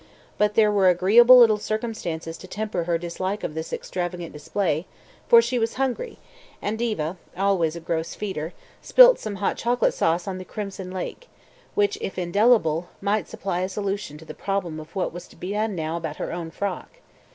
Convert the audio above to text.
But there were agreeable little circumstances to temper her dislike of this extravagant display, for she was hungry, and Diva, always a gross feeder, spilt some hot chocolate sauce on the crimson lake, which, if indelible, might supply a solution to the problem of what was to be done now about her own frock.